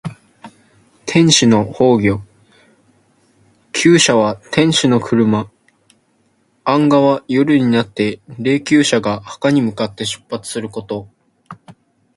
天子の崩御。「宮車」は天子の車。「晏駕」は夜になって霊柩車が墓に向かって出発すること。